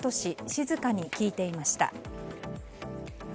静かに聞いていました。